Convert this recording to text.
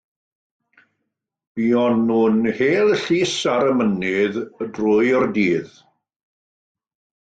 Buon nhw'n hel llus ar y mynydd drwy'r dydd.